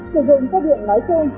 sử dụng xe điện nói chung